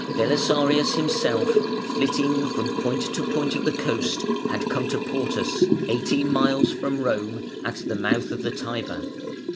Belisarius himself, "flitting from point to point of the coast", had come to Portus eighteen miles from Rome, at the mouth of the Tiber.